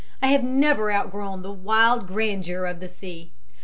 I have never outgrown the wild grandeur of the sea."